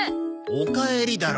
おかえりだろ。